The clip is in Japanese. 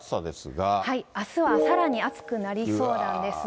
あすはさらに暑くなりそうなんです。